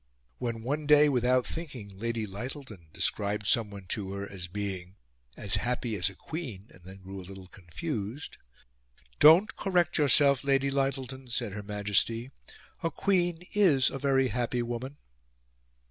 When, one day, without thinking, Lady Lyttelton described someone to her as being "as happy as a queen," and then grew a little confused, "Don't correct yourself, Lady Lyttelton," said Her Majesty. "A queen IS a very happy woman."